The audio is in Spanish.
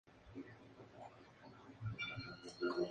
La estación Santa Marina aun está en estudio.